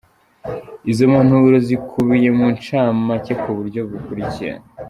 Izo mpanuro zikubiye mu ncamake ku buryo bukurikira:.